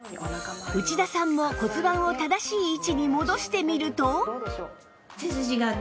内田さんも骨盤を正しい位置に戻してみると